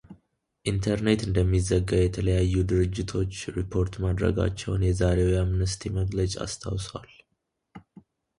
ኢንተርኔት እንደሚዘጋ የተለያዩ ድርጅቶች ሪፖርት ማድረጋቸውን የዛሬው የአምነስቲ መግለጫ አስታውሷል።